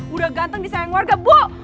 udah ganteng di sayang warga bu